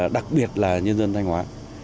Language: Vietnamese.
đặc biệt là nhân dân thanh hóa